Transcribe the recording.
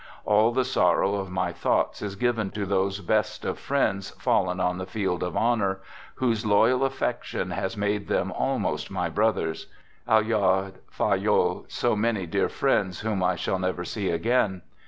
All the sorrow of my thoughts is given to those best of friends fallen on the field of honor, whose loyal affection has made them almost my brothers; — Allard, Fayolle, so many dear friends whom I shall never see again!